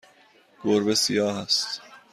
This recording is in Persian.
گربه سیاه است.